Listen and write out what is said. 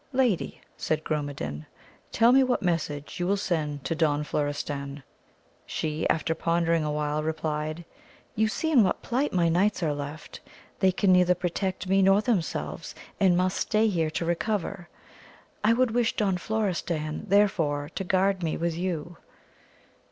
Lady, said GrmnedaUy tell me what message you will send to Don Florestan. She, after pondering awhile replied, you see in what plight my knights are left, they can neither protect me nor themselves, and must stay here to recover. I would wish Don Florestan therefore to guard me with you.